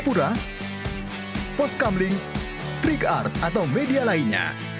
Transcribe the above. post gambling trick art atau media lainnya